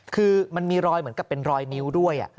คือมันมีรอยเหมือนกับเป็นรอยนิ้วด้วย